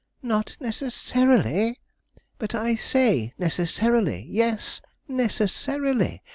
'Not necessarily! but I say necessarily yes, necessarily.